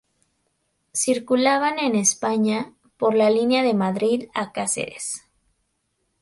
Circulaban, en España, por la línea de Madrid a Cáceres.